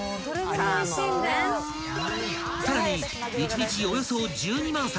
［さらに１日およそ１２万皿］